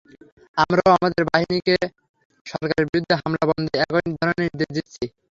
আমরাও আমাদের বাহিনীকে সরকারের বিরুদ্ধে হামলা বন্ধে একই ধরনের নির্দেশ দিচ্ছি।